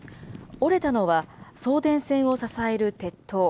折れたのは、送電線を支える鉄塔。